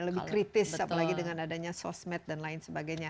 lebih kritis apalagi dengan adanya sosmed dan lain sebagainya